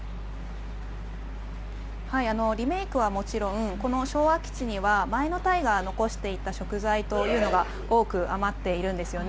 リメイクはもちろん昭和基地には前の隊が残していった食材というのが多く余っているんですよね。